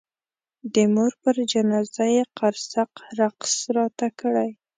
د مور پر جنازه یې قرصک رقص راته کړی.